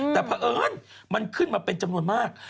แต่เพราะเอิญมันขึ้นมาเป็นจำนวนมาก